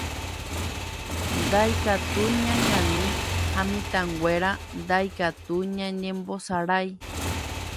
Ndaikatúi ñañani ha mitãnguéra ndaikatúi ñañembosarái.